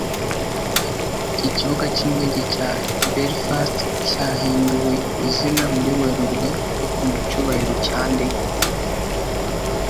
Ikibuga cy'indege cya Belfast cyahinduwe izina muri Werurwe Ariko mu cyubahiro cya nde?